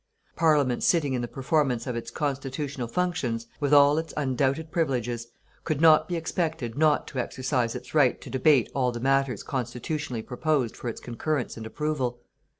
Parliament sitting in the performance of its constitutional functions, with all its undoubted privileges, could not be expected not to exercise its right to debate all the matters constitutionally proposed for its concurrence and approval.